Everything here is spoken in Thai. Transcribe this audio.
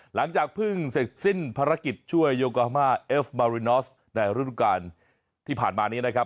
หลังจากเพิ่งเสร็จสิ้นภารกิจช่วยโยกามาเอฟมารินอสในฤดูการที่ผ่านมานี้นะครับ